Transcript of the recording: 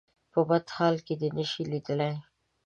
په بد حال دې نه شي ليدلی.